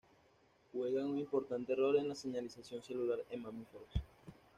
Juegan un importante rol en la señalización celular en mamíferos.